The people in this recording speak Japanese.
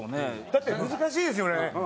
だって難しいですよね。